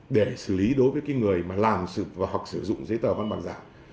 để xử lý đối với người làm và sử dụng giấy tờ văn bằng giả